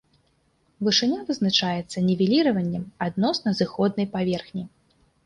Вышыня вызначаецца нівеліраваннем адносна зыходнай паверхні.